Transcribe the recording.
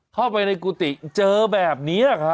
เข้าไปในกุฏิเจอแบบนี้ครับ